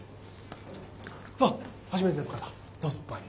さあ初めての方どうぞ前へ。